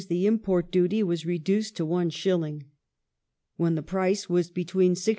the import duty was reduced to Is. ; when the price was between 64s.